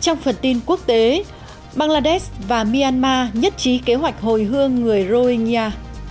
trong phần tin quốc tế bangladesh và myanmar nhất trí kế hoạch hồi hương người roynia